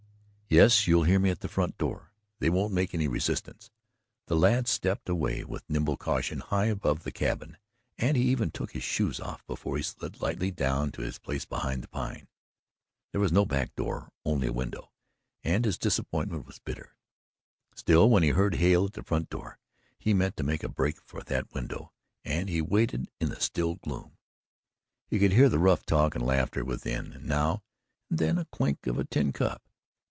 "Yes, you'll hear me at the front door. They won't make any resistance." The lad stepped away with nimble caution high above the cabin, and he even took his shoes off before he slid lightly down to his place behind the pine. There was no back door, only a window, and his disappointment was bitter. Still, when he heard Hale at the front door, he meant to make a break for that window, and he waited in the still gloom. He could hear the rough talk and laughter within and now and then the clink of a tin cup.